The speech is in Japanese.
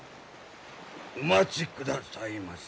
お待ちくださいまし。